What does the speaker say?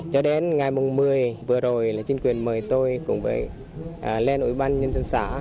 cho đến ngày một mươi vừa rồi là chính quyền mời tôi cùng với lên ủy ban nhân dân xã